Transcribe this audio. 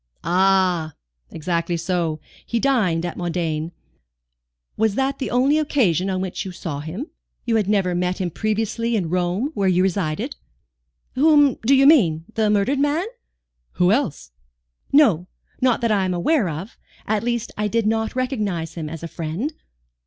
"Ah! exactly so. He dined at Modane. Was that the only occasion on which you saw him? You had never met him previously in Rome, where you resided?" "Whom do you mean? The murdered man?" "Who else?" "No, not that I am aware of. At least I did not recognize him as a friend."